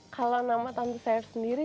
kalau nama tante saya sendiri